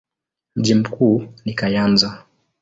Mji mkuu ni Kayanza.